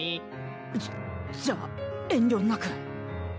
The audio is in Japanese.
じゃじゃあ遠慮なく。